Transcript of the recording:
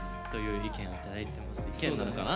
意見なのかな？